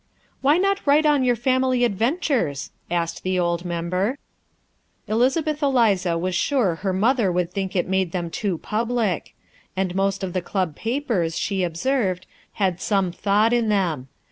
"Why not write on your family adventures?" asked the old member. Elizabeth Eliza was sure her mother would think it made them too public; and most of the Club papers, she observed, had some thought in them.